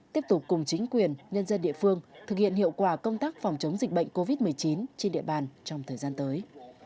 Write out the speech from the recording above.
tiếp tục cùng chính quyền nhân dân địa phương thực hiện hiệu quả công tác phòng chống dịch bệnh covid một mươi chín trên địa bàn trong thời gian tới